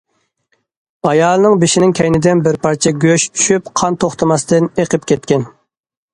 ئايالنىڭ بېشىنىڭ كەينىدىن بىر پارچە« گۆش» چۈشۈپ، قان توختىماستىن ئېقىپ كەتكەن.